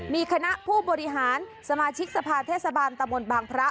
มีคณะผู้บริหารสมาชิกสภาเทศบาลตะมนต์บางพระ